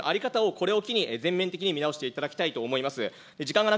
放送行政の在り方をこれを機に全面的に見直していただきたいと思います。